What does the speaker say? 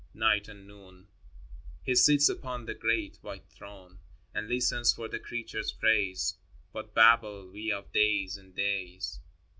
Night and noon He sits upon the great white throne And listens for the creatures' praise. What babble we of days and days